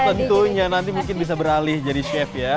tentunya nanti mungkin bisa beralih jadi chef ya